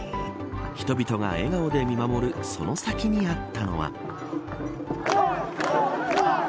人々が笑顔で見守るその先にあったのは。